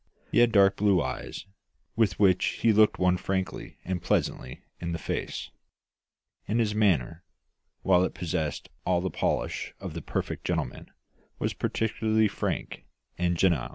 He had dark blue eyes, with which he looked one frankly and pleasantly in the face; and his manner, while it possessed all the polish of the perfect gentleman, was particularly frank and genial.